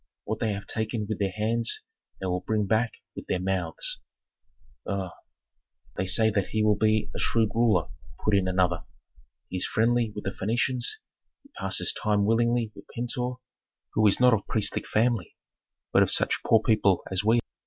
What they have taken with their hands they will bring back with their mouths." "Uuu! they say that he will be a shrewd ruler," put in another. "He is friendly with the Phœnicians; he passes time willingly with Pentuer, who is not of priestly family, but of such poor people as we.